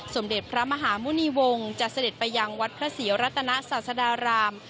สมเด็จพระมหาหมุณีวงศ์จะเสด็จไปยังวัดพระศรีรัตนศาสดาราม